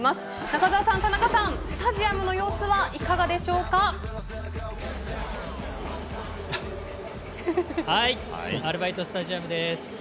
中澤さん、田中さんスタジアムの様子はアルバイトスタジアムです。